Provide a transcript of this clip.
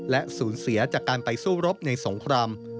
และสูญเสียจากการไปสู้รบในสงคราม